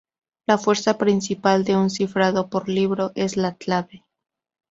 La fuerza principal de un cifrado por libro es la clave.